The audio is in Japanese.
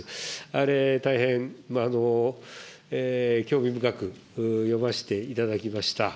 あれ、大変興味深く読ませていただきました。